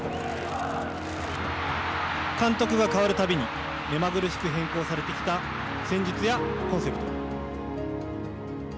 監督が代わるたびに目まぐるしく変更されてきた戦術やコンセプト。